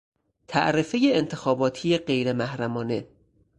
تعرفهی انتخاباتی غیرمحرمانه